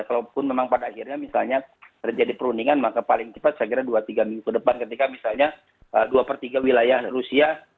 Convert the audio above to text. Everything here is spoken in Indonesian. kalaupun memang pada akhirnya misalnya terjadi perundingan maka paling cepat saya kira dua tiga minggu ke depan ketika misalnya dua per tiga wilayah rusia